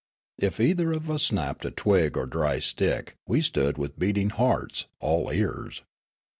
If either of us snapped a twig or dry stick, we stood with beating hearts, all ears.